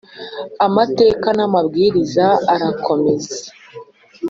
amateka amabwiriza arakomeza